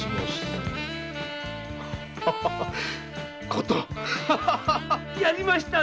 “琴”‼やりましたね！